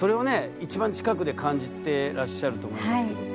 一番近くで感じてらっしゃると思いますけども。